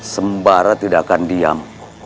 sembara tidak akan diam